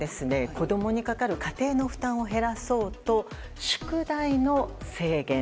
子供にかかる家庭の負担を減らそうと、宿題の制限。